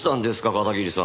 片桐さん。